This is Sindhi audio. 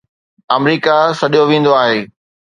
آمريڪا سڏيو ويندو آهي